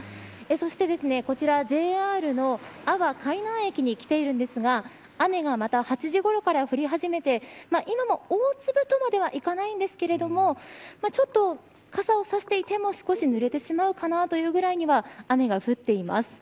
そして、こちらＪＲの阿波海南駅に来ているんですが雨がまた８時ごろから降り始めて今も大粒とまではいかないんですけれどもちょっと傘を差していても少しぬれてしまうかなというぐらいには雨が降っています。